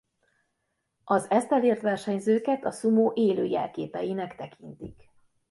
Az ezt elért versenyzőket a szumó élő jelképeinek tekintik.